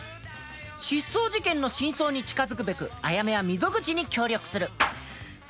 失踪事件の真相に近づくべくあやめは溝口に協力する。